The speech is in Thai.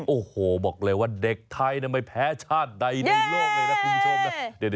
โอ้โหบอกเลยว่าเด็กไทยไม่แพ้ชาติใดในโลกเลยนะคุณผู้ชมนะ